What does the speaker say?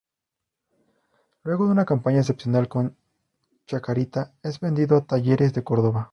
Luego de una campaña excepcional con Chacarita es vendido a Talleres de Córdoba.